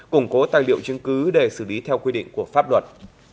củng cố tài liệu chứng cứ để xử lý theo quy định của pháp luật